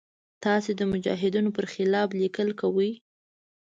تاسې د مجاهدینو پر خلاف لیکل کوئ.